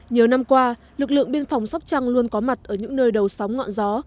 nhiều năm qua lực lượng biên phòng sóc trăng luôn có mặt ở những nơi đầu sóng ngọn gió